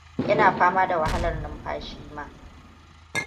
ina fama da wahalar numfashi ma